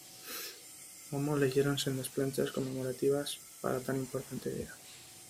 Momo, leyeron sendas Planchas conmemorativas para tan importante día.